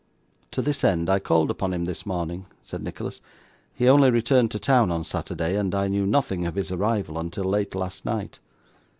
'To this end, I called upon him this morning,' said Nicholas. 'He only returned to town on Saturday, and I knew nothing of his arrival until late last night.